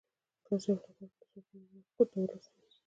کله چې افغانستان کې ولسواکي وي واک د ولس وي.